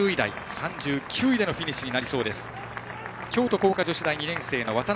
３９位でのフィニッシュとなりそうです。